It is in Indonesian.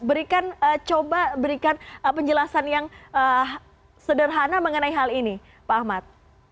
berikan coba berikan penjelasan yang sederhana mengenai hal ini pak ahmad